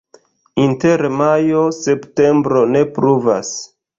Inter majo-septembro ne pluvas.